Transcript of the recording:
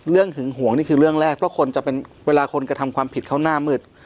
หึงหวงนี่คือเรื่องแรกเพราะคนจะเป็นเวลาคนกระทำความผิดเขาหน้ามืด